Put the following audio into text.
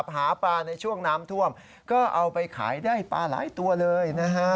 หาปลาในช่วงน้ำท่วมก็เอาไปขายได้ปลาหลายตัวเลยนะฮะ